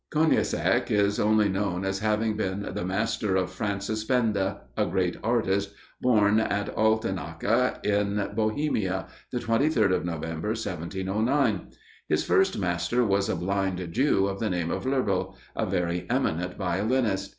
Konieseck is only known as having been the master of Francis Benda, a great artist, born at Althenatka, in Bohemia, the 23rd of November, 1709. His first master was a blind Jew, of the name of Lœbel, a very eminent violinist.